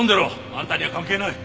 あんたには関係ない。